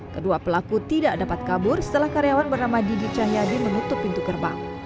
kedua pelaku tidak dapat kabur setelah karyawan bernama didi cahyadi menutup pintu gerbang